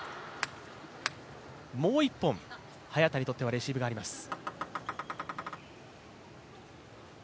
もう一本、早田にとってはレシーブがあります。